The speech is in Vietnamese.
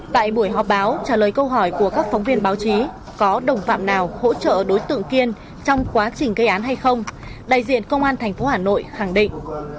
tại buổi họp báo trả lời câu hỏi của các phóng viên báo chí có đồng phạm nào hỗ trợ đối tượng kiên trong quá trình gây án hay không đại diện công an tp hà nội khẳng định